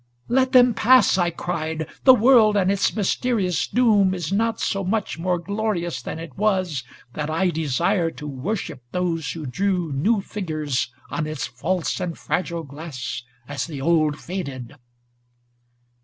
ŌĆö ' Let them pass,' I cried, * the world and its mysterious doom * Is not so much more glorious than it was That I desire to worship those who drew New figures on its false and fragile glass * As the old faded.'